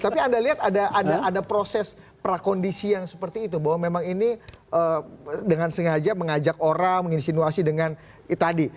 tapi anda lihat ada proses prakondisi yang seperti itu bahwa memang ini dengan sengaja mengajak orang menginsinuasi dengan tadi